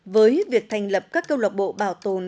với việc thành lập các cơ lộc bộ bảo tồn